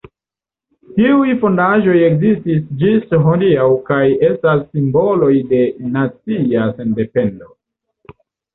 Tiuj fondaĵoj ekzistis ĝis hodiaŭ kaj estas simboloj de nacia sendependo.